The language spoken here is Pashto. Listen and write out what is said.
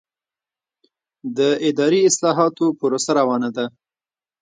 د اداري اصلاحاتو پروسه روانه ده؟